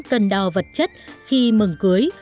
cân đo vật chất khi mừng cưới